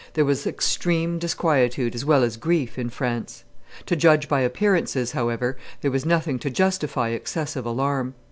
there was extreme disquietude as well as grief in France. To judge by appearances, however, there was nothing to justify excessive alarm.